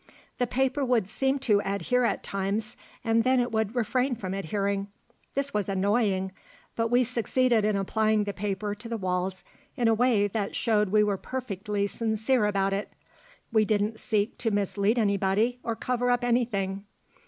The paper would seem to adhere at times, and then it would refrain from adhering. This was annoying, but we succeeded in applying the paper to the walls in a way that showed we were perfectly sincere about it. We didn't seek to mislead anybody or cover up anything.